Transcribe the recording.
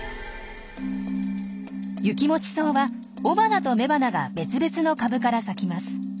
ユキモチソウは雄花と雌花が別々の株から咲きます。